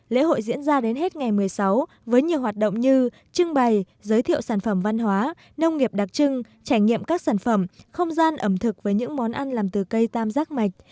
lễ hội diễn ra đến hết ngày một mươi sáu với nhiều hoạt động như trưng bày giới thiệu sản phẩm văn hóa nông nghiệp đặc trưng trải nghiệm các sản phẩm không gian ẩm thực với những món ăn làm từ cây tam giác mạch